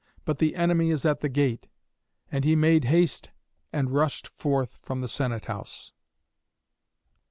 But the enemy is at the gate." And he made haste and rushed forth from the senate house.